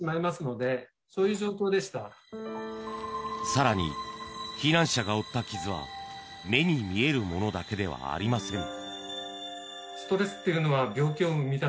更に、避難者が負った傷は目に見えるものだけではありません。